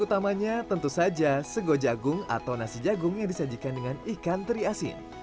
utamanya tentu saja sego jagung atau nasi jagung yang disajikan dengan ikan teri asin